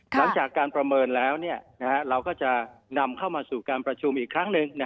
หลังจากการประเมินแล้วเราก็จะนำเข้ามาสู่การประชุมอีกครั้งหนึ่ง